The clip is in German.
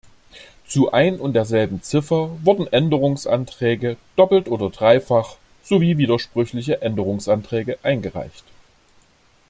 Zu ein und derselben Ziffer wurden Änderungsanträge doppelt oder dreifach sowie widersprüchliche Änderungsanträge eingereicht.